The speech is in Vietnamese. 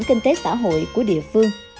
kinh tế xã hội của địa phương